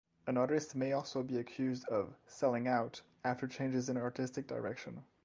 An artist may also be accused of "selling out" after changes in artistic direction.